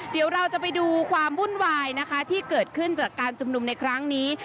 เดี๋ยวเราจะไปดูความวุ่นวายนะคะที่เกิดขึ้นจากการชุมนุมในครั้งนี้